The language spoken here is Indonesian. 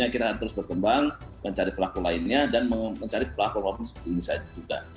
kita harus berkembang mencari pelaku lainnya dan mencari pelaku lainnya seperti ini saja juga